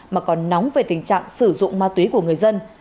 mà còn nóng về tình trạng sử dụng ma túy của người dân